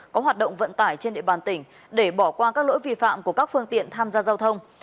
có hoạt động vận tải trên địa bàn tỉnh để bỏ qua các lỗi vi phạm của các phương tiện tham gia giao thông